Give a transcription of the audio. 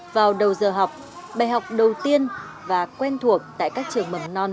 vào đầu giờ học bài học đầu tiên và quen thuộc tại các trường mầm non